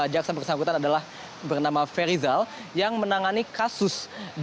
jaksa bersambutan adalah bernama ferizal yang menangani kasus